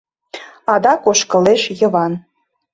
Адак ошкылеш Йыван.